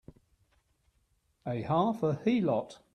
A half a heelot!